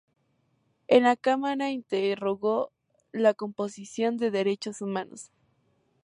En la Cámara, integró la Comisión de Derechos Humanos.